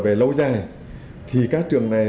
về lâu dài thì các trường này